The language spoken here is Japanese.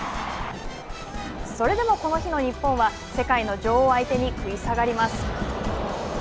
それでも、この日の日本は世界の女王相手に食い下がります。